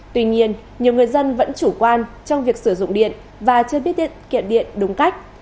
tuy nhiên nhiều người dân vẫn chủ quan trong việc sử dụng điện và chưa biết tiết kiệm điện đúng cách